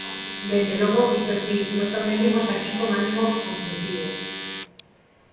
Dende logo, iso si, nós tamén vimos aquí con ánimo construtivo.